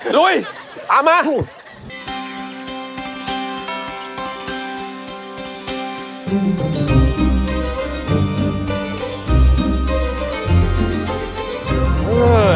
หัวหน้าภารกิจหัวหน้าภารกิจ